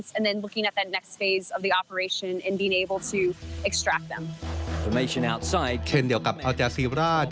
เช่นเดียวกับอาจารย์ซีวาราธิ์